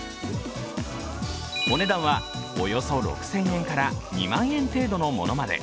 お値段はおよそ６０００円から２万円程度のものまで。